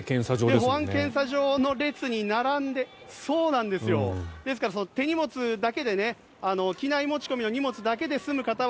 保安検査場の列に並んでですから、手荷物だけで機内持ち込みの荷物だけで済む方は